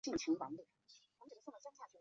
阿尔迪耶格。